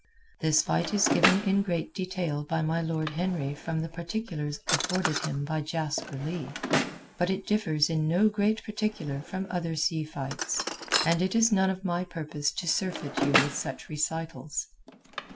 This fight is given in great detail by my Lord Henry from the particulars afforded him by Jasper Leigh. But it differs in no great particular from other sea fights, and it is none of my purpose to surfeit you with such recitals.